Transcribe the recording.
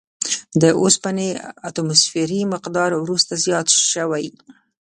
د اوسپنې اتوموسفیري مقدار وروسته زیات شوی.